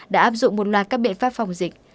đã áp dụng một loạt các biện pháp phòng dịch